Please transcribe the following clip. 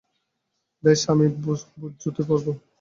বেশ, আমি বুটজুতোই পরব।